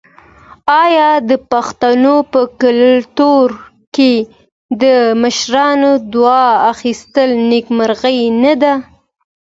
آیا د پښتنو په کلتور کې د مشرانو دعا اخیستل نیکمرغي نه ده؟